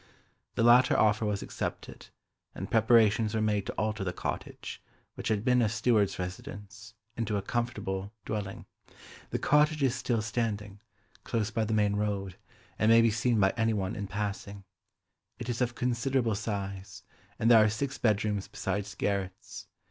The latter offer was accepted, and preparations were made to alter the cottage, which had been a steward's residence, into a comfortable dwelling. The cottage is still standing, close by the main road, and may be seen by anyone in passing; it is of considerable size, and there are six bedrooms besides garrets.